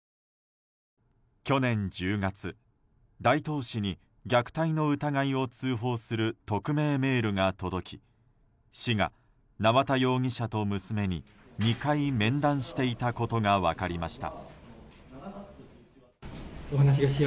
去年１０月、大東市に虐待の疑いを通報する匿名メールが届き市が縄田容疑者と娘に２回面談していたことが分かりました。